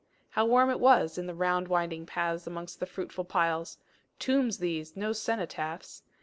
How warm it was in the round winding paths amongst the fruitful piles tombs these, no cenotaphs!